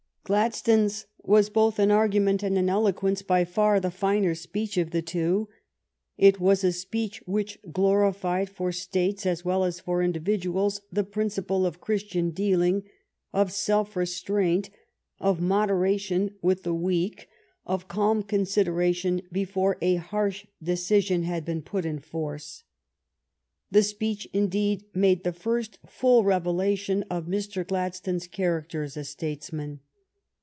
Gladstones was, both in argument and in eloquence, by far the finer speech of the two. It was a speech which glorified for States as well as for individuals the principle of Chris tian dealing, of self restraint, of moderation with the weak, of calm consideration before a harsh decision had been put in force. The speech, in deed, made the first full revelation of Mr. Glad stone's character as a statesman.